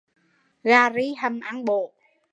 Gà ri hầm ăn bổ